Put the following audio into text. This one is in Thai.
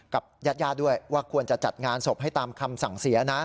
กับญาติญาติด้วยว่าควรจะจัดงานศพให้ตามคำสั่งเสียนะ